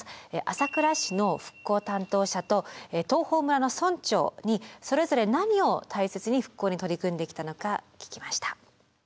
朝倉市の復興担当者と東峰村の村長にそれぞれ何を大切に復興に取り組んできたのか聞きました。